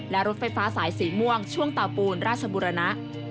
และรถไฟฟ้าสายสีม่วงช่วงเตาปูนราชบุรณะ